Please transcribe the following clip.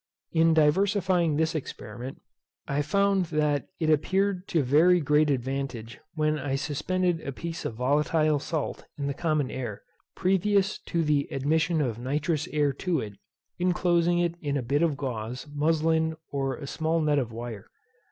In diversifying this experiment, I found that it appeared to very great advantage when I suspended a piece of volatile salt in the common air, previous to the admission of nitrous air to it, inclosing it in a bit of gauze, muslin, or a small net of wire.